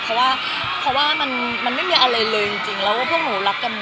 เพราะว่ามันไม่มีอะไรเลยจริงแล้วพวกหนูรักกัน